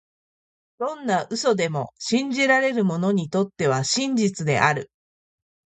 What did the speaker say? どんな嘘でも、信じられる者にとっては真実である。